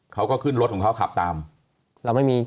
แล้วก็ขึ้นรถของเขากลับทำ